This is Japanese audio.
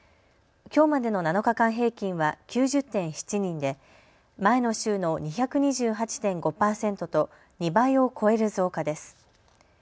きょうまでの７日間平均は９０．７人で前の週の２２８．５％と２倍を超える増加です。